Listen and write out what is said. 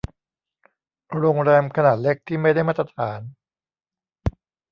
โรงแรมขนาดเล็กที่ไม่ได้มาตรฐาน